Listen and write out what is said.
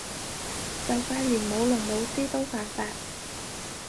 就快連舞龍舞獅都犯法